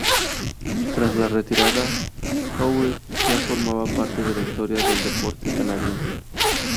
Tras la retirada, Howe ya formaba parte de la historia del deporte canadiense.